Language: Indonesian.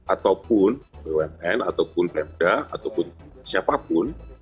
ataupun bumn ataupun pemda ataupun siapapun